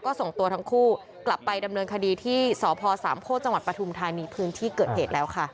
ก็ส่งตัวทั้งคู่กลับไปดำเนินคดีที่สพสามโพธิจังหวัดปฐุมธานีพื้นที่เกิดเหตุแล้วค่ะ